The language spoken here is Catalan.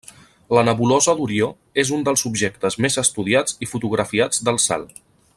La nebulosa d'Orió és un dels objectes més estudiats i fotografiats del cel.